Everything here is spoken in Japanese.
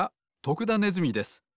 徳田ネズミです。